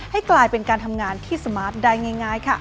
ให้กลายเป็นการทำงานที่สมาร์ทได้ง่ายค่ะ